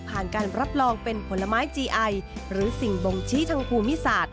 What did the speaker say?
การรับรองเป็นผลไม้จีไอหรือสิ่งบ่งชี้ทางภูมิศาสตร์